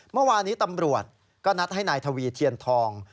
เมื่อวานี้ตำรวจก็นัดให้นายทวีเทียนทอง